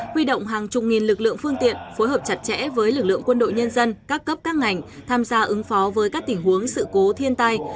huy động hàng chục nghìn lực lượng phương tiện phối hợp chặt chẽ với lực lượng quân đội nhân dân các cấp các ngành tham gia ứng phó với các tình huống sự cố thiên tai